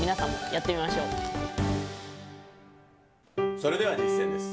それでは実践です。